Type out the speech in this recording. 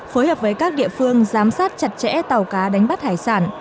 phối hợp với các địa phương giám sát chặt chẽ tàu cá đánh bắt hải sản